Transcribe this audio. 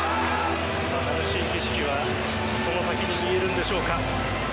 新しい景色はその先に見えるんでしょうか。